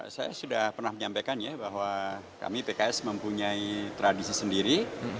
saya sudah pernah menyampaikan ya bahwa kami pks mempunyai tradisi sendiri